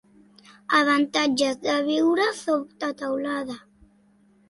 Avantatges de viure sota teulada.